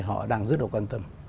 họ đang rất là quan tâm